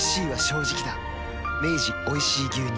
明治おいしい牛乳